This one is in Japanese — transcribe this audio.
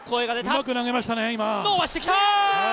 うまく投げましたね、今。